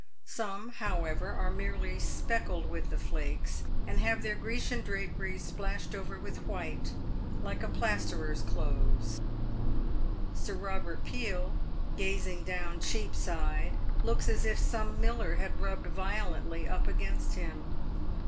Some, however, are merely speckled with the flakes, and have their Grecian draperies splashed over with white, like a plasterer's clothes. Sir Robert Peel, gazing down Cheapside, looks as if some miller had rubbed violently up against him.